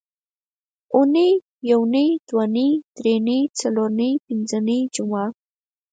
اونۍ، یونۍ، دونۍ، درېنۍ، څلورنۍ، پینځنۍ، جمعه